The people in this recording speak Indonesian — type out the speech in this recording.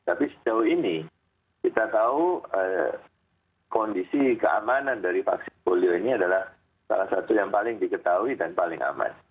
tapi sejauh ini kita tahu kondisi keamanan dari vaksin polio ini adalah salah satu yang paling diketahui dan paling aman